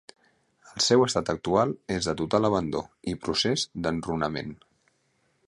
El seu estat actual és de total abandó i procés d’enrunament.